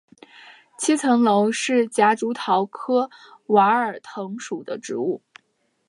七层楼是夹竹桃科娃儿藤属的植物。